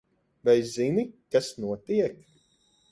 Vai zini, kas notiek?